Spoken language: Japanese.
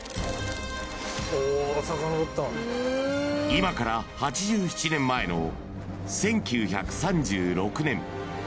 ［今から８７年前の１９３６年］